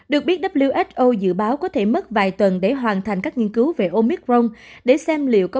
được biết who dự báo có thể mất vài tuần để hoàn thành các nghiên cứu về omicron để xem liệu có